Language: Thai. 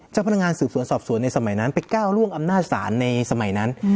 เจ้าพนักงานสืบสวนสอบสวนในสมัยนั้นไปก้าวล่วงอำนาจศาลในสมัยนั้น